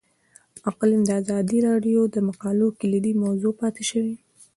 اقلیم د ازادي راډیو د مقالو کلیدي موضوع پاتې شوی.